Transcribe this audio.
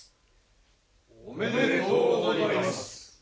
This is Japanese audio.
おめでとうございます。